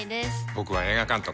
僕は映画監督。